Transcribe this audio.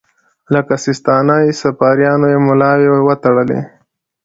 لکه سیستاني صفاریانو یې ملاوې وتړلې.